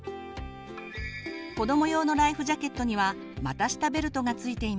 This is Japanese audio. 子ども用のライフジャケットには股下ベルトが付いています。